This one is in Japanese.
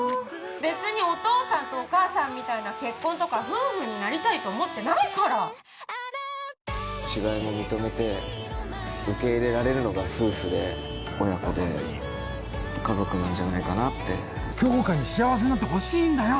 べつにお父さんとお母さんみたいな結婚とか夫婦になりたいと思ってないから違いも認めて受け入れられるのが夫婦で親子で家族なんじゃないかなって杏花に幸せになってほしいんだよ